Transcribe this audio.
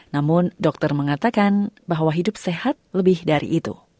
namun dokter mengatakan bahwa hidup sehat lebih dari itu